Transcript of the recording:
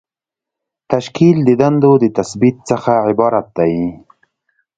تشکیل د دندو د تثبیت څخه عبارت دی.